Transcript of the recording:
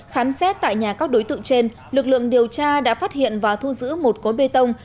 khám xét tại nhà các đối tượng trên lực lượng điều tra đã phát hiện và thu giữ một cối bê tông